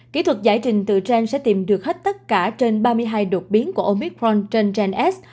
kỹ thuật giải trình từ gen sẽ tìm được hết tất cả trên ba mươi hai đột biến của omicron trên gens